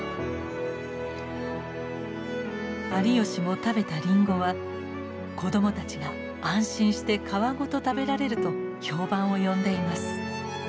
有吉も食べたリンゴは子どもたちが安心して皮ごと食べられると評判を呼んでいます。